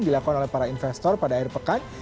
dilakukan oleh para investor pada air pekat